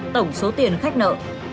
tổng số tiền khách nợ